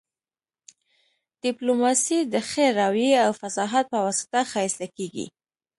ډیپلوماسي د ښه رويې او فصاحت په واسطه ښایسته کیږي